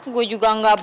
gue juga gak bunuh diri